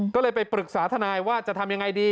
ก็เลยไปปรึกษาทนายว่าจะทำยังไงดี